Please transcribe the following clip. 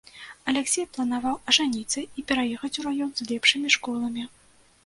Аляксей планаваў ажаніцца і пераехаць у раён з лепшымі школамі.